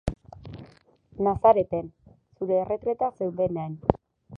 Nazaret-en, zure erretretan zeundenean.